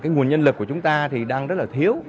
nguồn nhân lực của chúng ta thì đang rất là thiếu